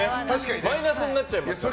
マイナスになっちゃいますから。